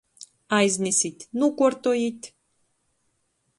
Aiznesit, nūkuortojit.